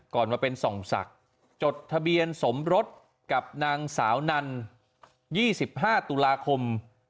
มาเป็นส่องศักดิ์จดทะเบียนสมรสกับนางสาวนัน๒๕ตุลาคม